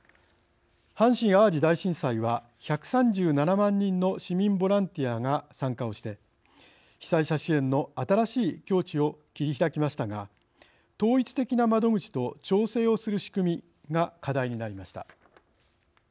阪神・淡路大震災は１３７万人の市民ボランティアが参加をして被災者支援の新しい境地を切り開きましたが統一的な窓口と調整をする仕組みが課題になりました。